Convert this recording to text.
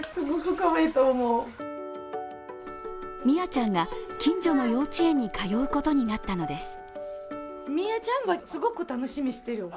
ミアちゃんが近所の幼稚園に通うことになったのです。